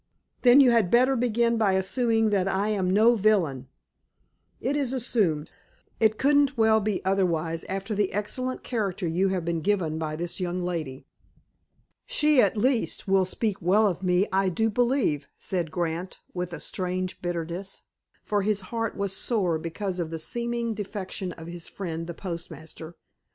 "Then you had better begin by assuming that I am no villain." "It is assumed. It couldn't well be otherwise after the excellent character you have been given by this young lady." "She, at least, will speak well of me, I do believe," said Grant, with a strange bitterness, for his heart was sore because of the seeming defection of his friend, the postmaster.